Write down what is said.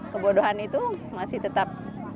kebodohan itu masih tetap